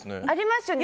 あります。